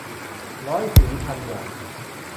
ร้อยสีพันอย่าง